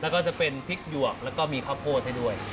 แล้วก็จะเป็นพริกหยวกแล้วก็มีข้าวโพดให้ด้วย